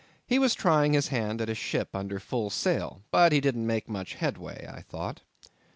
He was trying his hand at a ship under full sail, but he didn't make much headway, I thought.